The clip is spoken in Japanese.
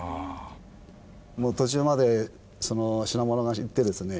もう途中までその品物が行ってですね